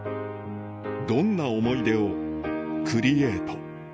どんな思い出をクリエイト？